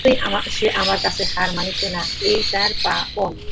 কিছুতেই সে আমার কাছে হার মানিবে না, এই তার পণ।